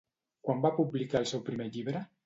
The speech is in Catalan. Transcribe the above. Quan va publicar el seu primer llibre?